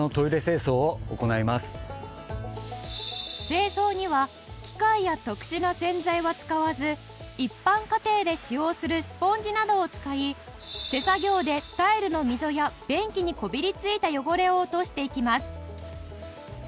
清掃には機械や特殊な洗剤は使わず一般家庭で使用するスポンジなどを使い手作業でタイルの溝や便器にこびり付いた汚れを落としていきます